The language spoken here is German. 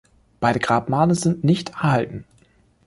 Beide Grabmale sind nicht erhalten.